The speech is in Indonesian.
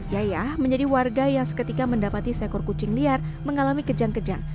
yayah menjadi warga yang seketika mendapati seekor kucing liar mengalami kejang kejang